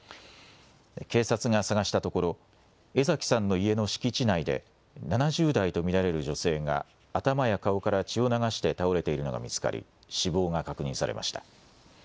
警察が捜したところ、江ざきさんの家の敷地内で、７０代と見られる女性が、頭や顔から血を流して倒れているのが見つかり、死亡が確認されました。